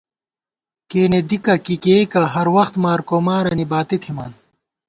کېنے دِکہ کی کېئیکہ ، ہر وخت مارکومارَنی باتی تھِمان